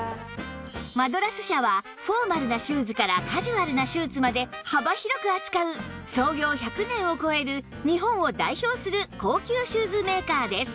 マドラス社はフォーマルなシューズからカジュアルなシューズまで幅広く扱う創業１００年を超える日本を代表する高級シューズメーカーです